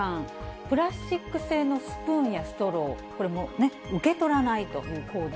プラスチック製のスプーンやストロー、これも受け取らないという行動。